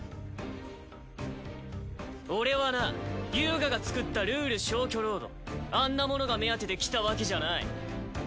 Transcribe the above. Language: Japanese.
我が作ったルール消去ロードあんなものが目当てで来たわけじゃない。